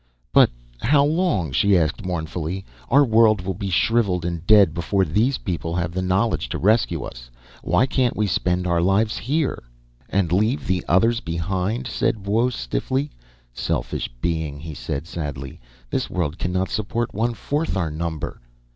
"But how long?" she asked mournfully. "Our world will be shrivelled and dead before these people have the knowledge to rescue us. Why can't we spend our lives here ..." "And leave the others behind?" said Buos stiffly. "Selfish being," he said sadly. "This world cannot support one fourth our number."